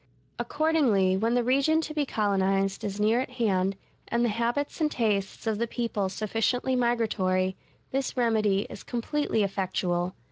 Accordingly, when the region to be colonized is near at hand, and the habits and tastes of the people sufficiently migratory, this remedy is completely effectual.